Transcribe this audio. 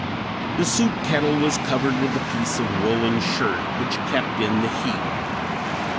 The soup kettle was covered with a piece of woolen shirt, which kept in the heat.